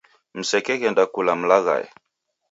Msekeghenda kula mlaghae.